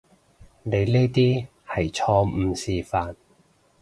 你呢啲係錯誤示範